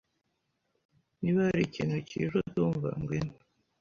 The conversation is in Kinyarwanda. Niba hari ikintu kije utumva, ngwino.